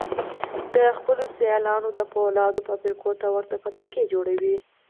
د خپلو سيالانو د پولادو فابريکو ته ورته فابريکې جوړوي.